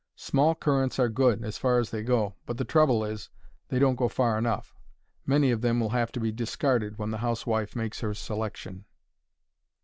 Small currants are good, as far as they go, but the trouble is they don't go far enough. Many of them will have to be discarded when the housewife makes her selection.